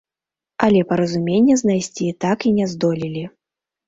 Але паразумення знайсці так і не здолелі.